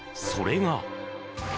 それが。